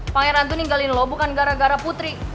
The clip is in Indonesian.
pangeran tuh tinggalin lo bukan gara gara putri